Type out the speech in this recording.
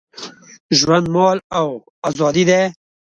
ژوند، مال او آزادي